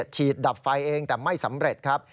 ฉีดดับไฟเองแต่ไม่สำเร็จครับ